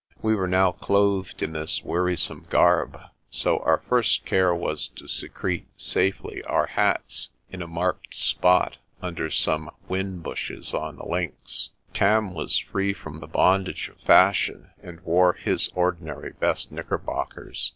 We were now clothed in this wearisome garb, so our first care was to secrete safely our hats in a marked spot under some whin bushes on the links. Tarn was free from the bondage of fashion, and wore his ordinary best knickerbockers.